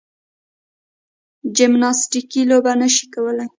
جمناستیکي لوبه نه شي کولای.